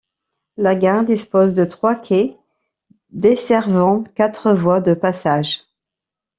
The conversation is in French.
La gare dispose de trois quais desservant quatre voies de passage.